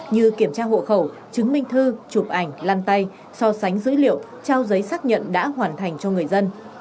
như kiểm tra hộ khẩu chứng minh thư chụp ảnh lăn tay so sánh dữ liệu trao giấy xác nhận đã hoàn thành cho người dân